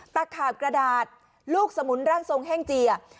ขาบกระดาษลูกสมุนร่างทรงแห้งเจีย